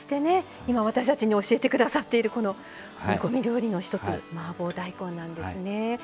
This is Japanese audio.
今私たちに教えて下さっているこの煮込み料理の一つマーボー大根なんですね。